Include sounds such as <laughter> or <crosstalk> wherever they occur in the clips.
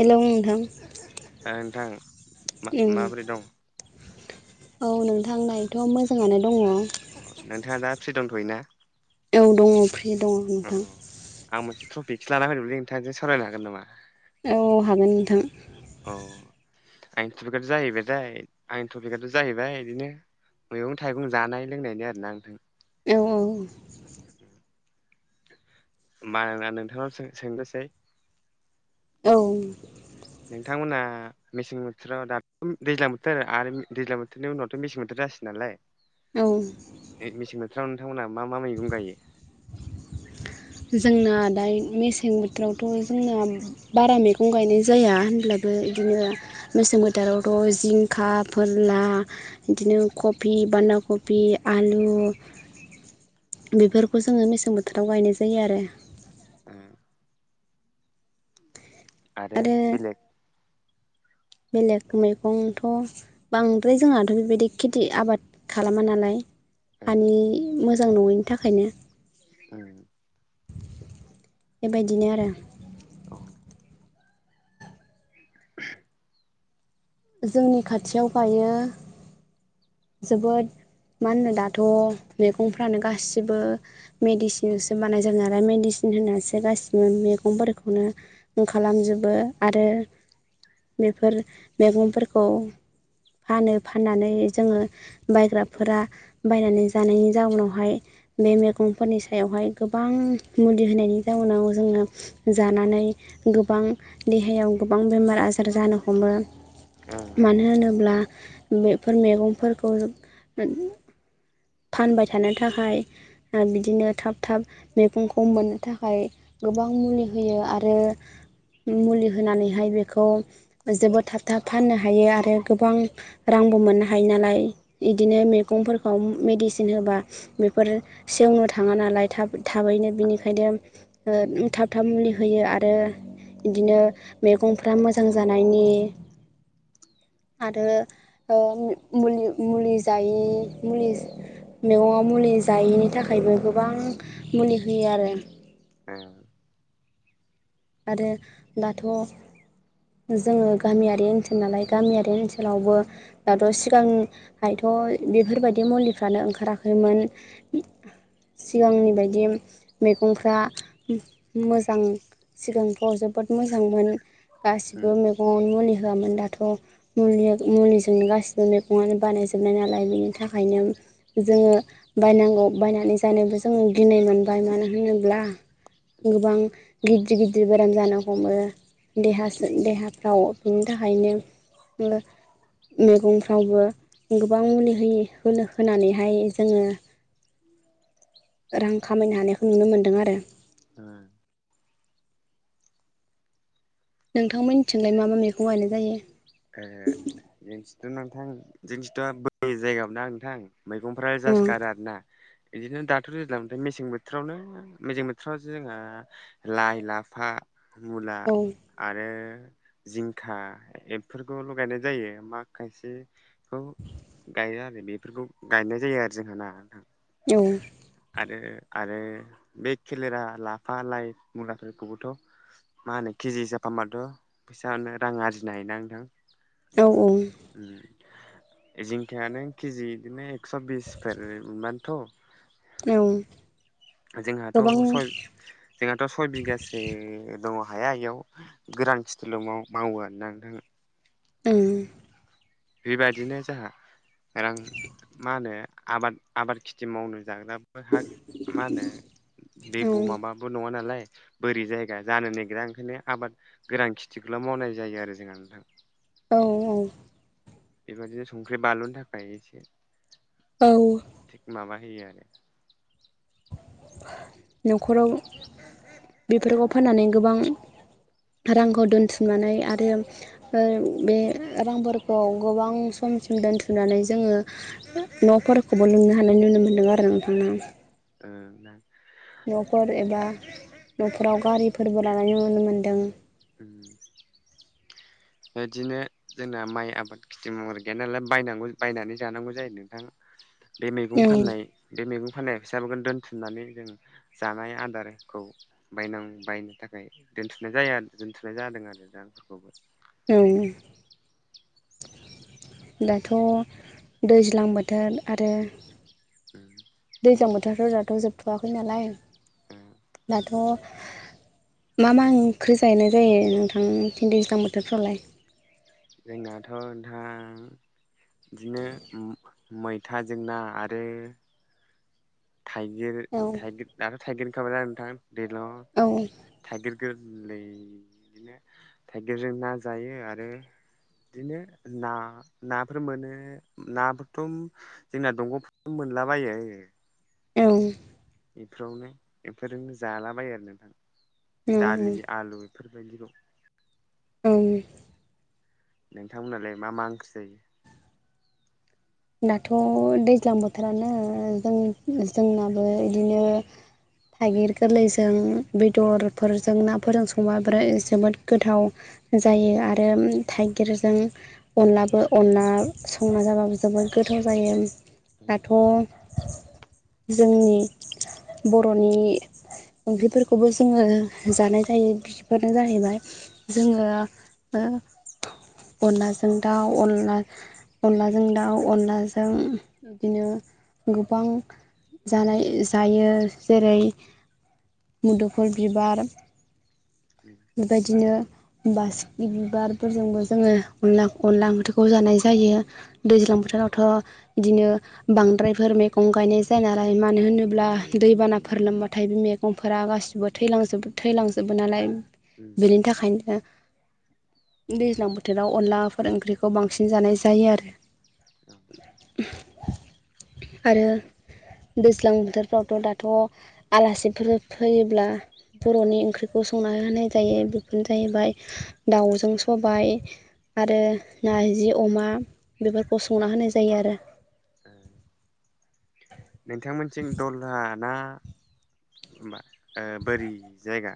Hello नोंथां नोंथां ओं माबोरै दं औ नोंथां दायोथ' मोजाङानो दङ अ नोंथाङा दा फ्रि दंथ'यो ना औ दङ फ्रि दङ नोंथां आं मोनसे टफिकसो लाना फैदोंमोनलै नोंथांजों सावरायनो हागोन नामा औ हागोन नोंथां अ आंनि टपिकआ' जाहैबायथाय आंनि थटपिकआथ' जाहैबाय बिदिनो मैगं थाइगं जानाय लोंनायनि आरो ना नोंथां औ औ माना नोंथांनाव सोंनोसै औ नोंथांमोनहा मेसें बोथोराव दाथ' दैज्लां बोथोर आरो दैज्लां बोथोरनि उनावथ' मेसें बोथोर जासिगोन नालाय <unintelligible> औ मेसें बोथोराव नोंथांमोनहा मा मा मैगं गायो जोंना दा मेसें बोथोरावथ' जोंना बारा मैगं गायनाय जाया होनब्लाबो बिदिनो मोसोम बोथोरावथ' जिं थाखा फोरला बिदिनो कफि बान्दा कफ आलु <inaudible> बेफोरखौ जोङो मेसें बोथोराव गायनाय जायो आरो उम <unintelligible> आरो <unintelligible> बेलेग मैगंथ' बांद्राय जोंहाथ' बेबायदि खिथि आबाद खालामा नालाय हानि मोजां नङैनि थाखायनो उम बेबायदिनो आरो औ <unintelligible> जोंनि खाथियाव गायो जोबोद मा होनो दाथ' मैगंफ्रानो गासिबो मेडिसिनसो बानाय जायो नालाय मेडिसिन होननाासो गासिबो मैगंफोरखौनो खालामजोबो आरो बेफोर मैगंफोरखौ फानो फाननानै जोङो बायग्राफोरा बायनानै जानायनि जाउनावहाय बे मैगंफोरनि सायावहाय गोबां मुलि होनायनि जाउनाव जोङो जानानै गोबां देहायाव गोबां बेमार आजार जानो हमो मानो होनोब्ला बेफोर मैगंफोरखौ फानबाय थानो थाखाय आरो बिदिनो थाब थाब मैगंखौ मोननो थाखाय गोबां मुलि होयो आरो मुलि होनानैहाय बेखौ जोबोद थाब थाब फाननो हायो आरो गोबां रांबो मोननो हायो नालाय इदिनो मैगंफोरखौ मेडिसिन होबा बेफोर सेवनो थाङा नालाय थाब थाबैनो अ बिनिखायनो थाब थाब मुलि होयो आरो बिदिनो मैगंफ्रा मोजां जानायनि आरो ओ मुलि जायै मुलि मैगङाव मुलि जायैनि थाखायबो गोबां मुलि होयो आरो <inaudible> आरो दाथ' जोङो गामियारि ओनसोल नालाय गामियारि ओनसोलावबो दाथ' सिगांहायथ' बेफोरबायदि मुलिफ्रानो ओंखाराखैमोन सिगांनि बायदि मैगंफ्रा मोजां सिगांफ्राव जोबोद मोजांमोन गासिबो मेग ङावनो मुलि होआमोन दाथ' मुलि मुलिजोंनो गासिबो मैगंनो बानायजोबनाय नालाय बेनि थाखायनो जोङो बायनांगौ बायनानै जानोबो जोंङो गिनाय मोनबाय मानो होनोब्ला गोबां गिदिर गिदिर बेराम जानो हमो देहा सो देहाफ्राव बिनि थाखायनो <inaudible> मैगंफ्रावबो गोबां मुलि होयि होनो होनानैहाय जोङो रां खामायनो हानायखौ नुनो मोन्दों आरो। <unintelligible> नोंथांमोननिथिंलाय मा मा मैगं गायनाय जायो? ओ जोंनिथिथ' नोंथां जोंनिथिंथ' बोरि जायगाबोना नोंथां। मैगंफ्रा जासो गारो आरोना। बिदिनो दाथ' दैज्लां बोथोर मेसें बोथोरावनो मेसें बोथोरावसो जोंहा लाइ, लाफा, मुला, औ आरो जिंखा फोरखौल' गायनाय जायो मा खायसेखौ गायो आरो बेफोरखौ गायनाय जायो आरो जोंहा ना नोंथां। <unintelligible> आरो आरो बे खेलेरा लाफा लाइ मुलाफोरखौबोथ' मा होनो केजि हिसाब फानबाथ' फैसानो रां आरजिनो हायोना नोंथां। औ औ। उम। जिंखायानो केजि बिदिनो एकस' बिसफोर मोनबाथ' औ जोंहाथ' गोबां सय जोंहाथ' सय बिगासो दङ' हाया इयाव गोरान खिथिल' माव- मावो आरोना नोंथां। ओं। बेबादिनो जाहा रां मा होनो आबाद आबाद खेथि मावना जाग्राबो हा मा होनो औ दैेब' माबाबो नङा नालाय बोरि जायगा जानो नागिरा ओंखायनो आबाद गोरान खिथिखौल' मावनाय जायो आरो जोंहा नोंथां। औ औ। बेबायदिनो संख्रि बानलुनो थाखाय एसे औ। थिग माबा होयो आरो। न'खराव बेफोरखौ फाननानै गोबां रांखौ दोनथुमनानै आरो ओ बिदिनो बे रांफोरखौ गोबां समसिम दोनथुमनानै जोङो न'फोरखौबो लुनो हानाय नुनो मोन्दों आरो आं। ओ ओं ना। न'फोर एबा न'फोराव गारिफोरबो लानाय नुनो मोन्दों। उम। बेदिनो जोंना माइ आबाद खिथि मावनाय गैया नालाय बायनांगौ बायनानै जानांगौ जायो नोंथां। बे औ मैगं फाननाय बे मैगं फाननाय फैसाफोखौनो दोनथुमनानै जों जानाय आदारखौ बायनां बायनो थाखाय दोनथुमनाय जाया दोनथ'नाय जादों आरो रांफोरखौबो। उम। दाथ' दैज्लां बोथोर आरो उम। दैज्लां बोथोरफोरा दथ' जोबथ'वाखै नालाय। उम। दाथ' मा मा ओंख्रि जाहैनाय जायो नोंथांथिं दैज्लां बोथोरफ्रावलाय? जोंनाथ' नोंथां बिदिनो मै-मैथाजों ना आरो थाइगिर औ थाइगिर दाथ' थाइगिर ओंखारबाना नोंथां दैज्लाङाव। औ औ। थाइगिर गोरलै बिदिनो थाइगिरजों ना जायो आरो बिदिनो ना नाफोर मोनो नाफोरथ' जोंना दंग' <unintelligible> मोनलाबायो औ इफोरावनो इफोरजोंनो जालाबायो आरो नोंथां दालि आलु बेफोरबायदिखौ औ नोंथांमोनालाय मा मा ओंख्रि जायो दाथ' दैज्लां बोथोरानो जों जोंनाबो इदिनो थागिर गोरलैजों बेदरफोरजों नाफोरजों संबा बि जोबोद गोथाव जायो आरो थाइगिरजों अनलाबो अनला संना जाबाबो जोबोद गोथाव जायो दाथ' जोंनि बर'नि ओंख्रिफोरखौबो जोङो जानाय जायो बिफोरनो जाहैबाय जोङो अनलाजों दाव अनला अनलाजों दा व अनलाजों बिदिनो गोबां जानाय जायो जेरै मुदुफल बिबार <unintelligible> बेबायदिनो बासिगि बिबारफोरजोंबो जोङो अनला अनला ओंख्रिखौ जानाय जायो दैज्लां बोथोरावथ' इदिनो बांद्रायफोर मेगं गायनाय जायो नालाय मानो होनोब्ला दैबानाफोर लोमबाथाय बे मे गंफोरा गासिबो थैलांजो थैलांजोबो नालाय बेनि थाखायनो दैज्लां बोथोराव अनलाफोर ओंख्रिखौ बांसिन जानाय जायो आरो आरो दैज्लां बोथोरफ्रावथ' दाथ' आलासिफोर फैयोब्ला बर'नि ओंख्रिखौ संना होनाय जायो बेफोरनो जाहैबाय दाउजों सबाय आरो नारजि अमा बेफोरखौ संना होनाय जायो आरो <unintelligible> नोंथांमोनथिं दलहा ना मा बोरि जायगा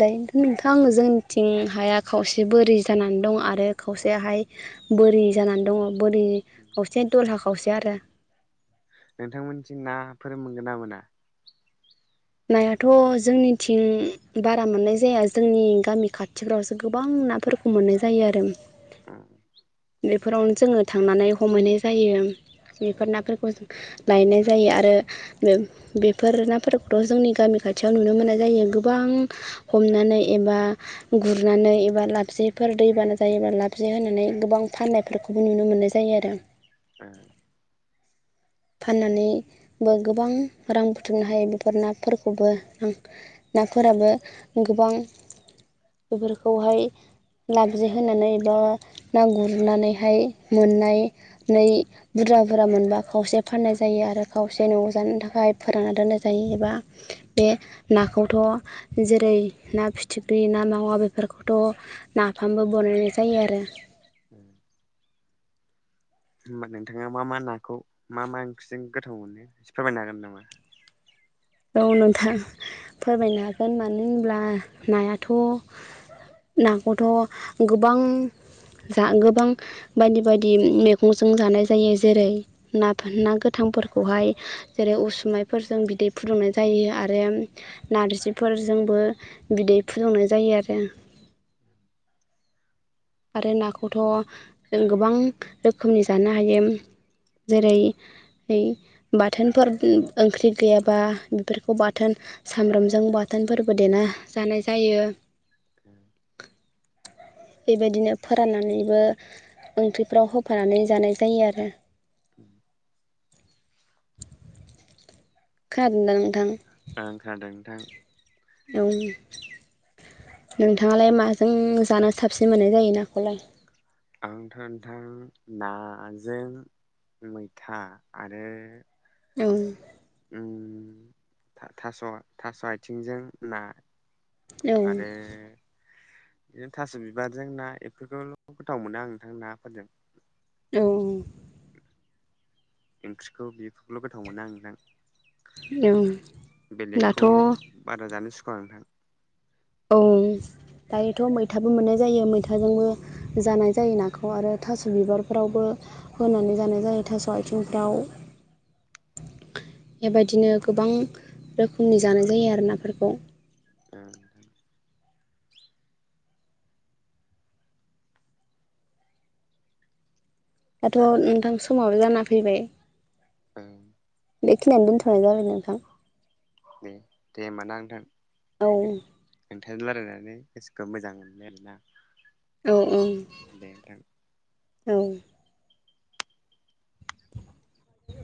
दायोनथ' नोंथां आं जोंनिथिं हाया खावसे बोरि जानानै दं आरो खावसेयाहाय बोरि जानानै दङ बोरि खावसे दलहा खावसे आरो नोंथांमोनथिं नाफोर मोनगोन ना मोना नायाथ' जोंनिथिं बारा मोननाय जाया जोंनि गामि खाथिफ्रावसो गोबां नाफोर मोननाय जायो आरो बेफोरावनो जोङो थांनानै हमहैनाय जायो बेफोर नाफोरखौ जों लायनाय जायो आरो बेफोर नाफोरखौथ' जोंनि गामि खाथियाव नुनो मोननाय जायो गोबां हमनानै एबा गुरनानै एबा लापजेफोर दैबाना जायोबा लापजे होनानै गोबां फाननायफोरखौबो नुनो मोननाय जायो आरो <unintelligible> फाननानैबो गोबां रां बुथुमनो हायो बेफोर नाफोरखौबो आं नाफोराबो गोबां बेफोरखौहाय लाबजे होनानै बा ना गुरनानैहाय मोननाय नै बुरजा बुरजा मोनबा खावसे फाननाय जायो आरो खावसे न'आव जानो थाखाय फोरानना दोननाय जायो एबा बे नाखौथ' जेरै ना फिथिख्रि ना मावा बेफोरखौथ' नाफामबो बनायनाय जायो आरो। <unintelligible> होमबा नोंथाङा मा मा नाखौ मा मा ओंख्रिजों गोथाव मोनो एसे फोरमायनो हागोन नामा? औ नोंथां फोरमायनो हागोन। मानो होनब्ला नायाथ' नाखौथ' गोबां जा गोबां। बायदि बायदि मैगंजों जानाय जायो। जेरै नाफोर ना गोथांफोरखौहाय जेरै उसुमायफोरजों बिदै फुदुंनाय जायो आरो नारजि फोरजोंबो बिदै फुदुंनाय जायो आरो। <inaudible> आरो नाखौथ' जों गोबां रोखोमनि जानो हायो। जेरै है बाथोनफोर उम ओंख्रि गैयाबा बेफोरखौ बाथोन सामब्रामजों बाथोनफोरबो देना जानाय जायो। <inaudible> बेबायदिनो फोराननानैबो ओंख्रिफ्राव होफानानै जानाय जायो आरो। उम खोनादोंदा नोंथां? ओं खोनादों नोंथां। औ नोंथाङालाय माजों जानो साबसिन मोननाय जायो नाखौलाय? आंथ' नोंथां नाजों मैथा आरो औ। थास' थास' आयथिंजों ना। औ आरो। <unintelligible> थास' बिबारजों ना इफोरखौल' गोथाव मोनो आं नोंथां नाफोरजों। औ औ ओंख्रिखौ बेखौल' गोथाव मोनो आं दा। औ दाथ' बेलेगखौ बारा जानोसुखुवा' ओरोना। औ दायोथ' मैथाबो मोननाय जायो। ओं मैथाजोंबो जानाय जायो नाखौ‌। आरो थास' बिबारफ्रावबो होनानै जानाय जायो थास' आथिंफ्राव। ओं बेबायदिनो गोबां रोखोमनि जानाय जायो आरो नाफोरखौ। ओ दाथ' नोंथां समाबो जाना फैबाय। उम बेखिनियावनो दोनथ'नाय जाबाय नोंथां। उम दे दे ओमबा ना नोंथां। औ नोंथांजों रायलायनानै गोसोखौ मोजां मोनबाय आरोना। औ दे नोंथां औ औ।